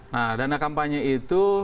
nah dana kampanye itu